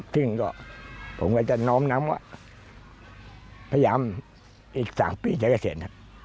ซึ่งก็ผมก็จะน้อมนำว่าพยายามอีก๓ปีจะเกษียณ